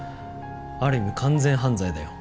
ある意味完全犯罪だよ。